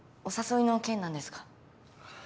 お誘いの件なんですが。